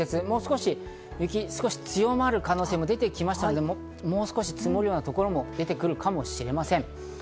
もう少し雪が強まる可能性が出てきたので、もう少し積もるようなところも出てくるかもしれません。